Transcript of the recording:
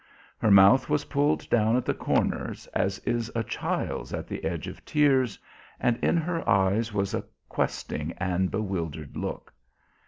Her mouth was pulled down at the corners, as is a child's at the edge of tears, and in her eyes was a questing and bewildered look.